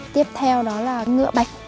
tiếp theo đó là ngựa bạch